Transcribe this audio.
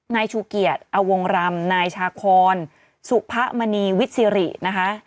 นายชูเกียจอวงรำนายชาคอนสุพะมณีวิทย์สิรินะคะ